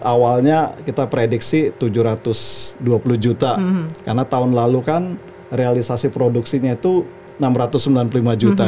awalnya kita prediksi tujuh ratus dua puluh juta karena tahun lalu kan realisasi produksinya itu enam ratus sembilan puluh lima juta